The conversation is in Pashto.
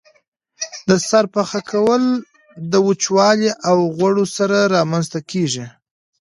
د سر پخه کول د وچوالي او غوړ سره رامنځته کیږي.